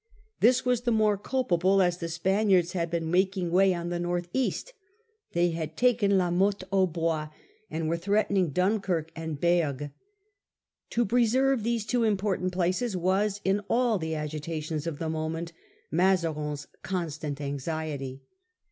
This was the more culpable, as the Spaniards had Progress of ^ een making way on the north east. They had the war. taken La Motte au Bois, and were threatening Dunkirk and Bergues. To preserve these two important places was, in all the agitations of the moment, Mazarin's constant anxiety.